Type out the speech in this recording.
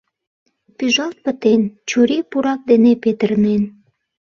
Пӱжалт пытен, чурий пурак дене петырнен.